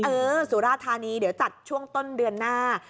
เออสุราธานีเดี๋ยวจัดช่วงต้นเดือนหน้า